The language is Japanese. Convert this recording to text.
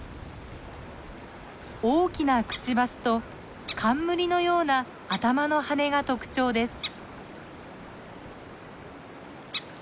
大きなくちばしと冠のような頭の羽が特徴です。